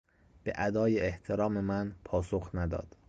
به ادای احترام من پاسخ نداد.